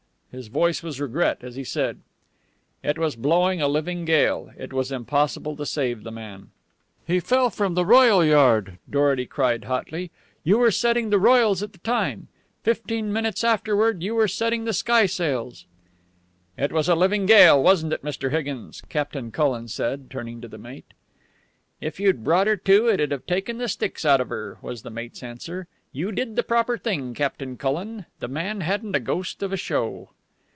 In his voice was regret as he said: "It was blowing a living gale. It was impossible to save the man." "He fell from the royal yard," Dorety cried hotly. "You were setting the royals at the time. Fifteen minutes afterward you were setting the skysails." "It was a living gale, wasn't it, Mr. Higgins?" Captain Cullen said, turning to the mate. "If you'd brought her to, it'd have taken the sticks out of her," was the mate's answer. "You did the proper thing, Captain Cullen. The man hadn't a ghost of a show."